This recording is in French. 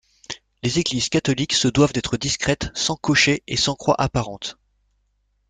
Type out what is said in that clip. Les églises catholiques se doivent d’être discrètes sans clocher et sans croix apparentes.